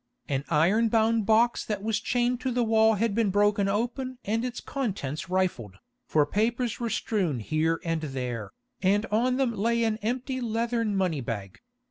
An iron bound box that was chained to the wall had been broken open and its contents rifled, for papers were strewn here and there, and on them lay an empty leathern money bag.